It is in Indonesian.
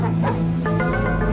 aku mau ke rumah